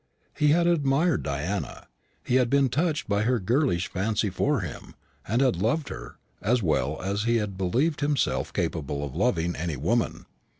He had admired Diana; he had been touched by her girlish fancy for him, and had loved her as well as he had believed himself capable of loving any woman.